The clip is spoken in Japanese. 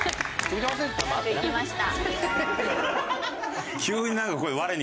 できました。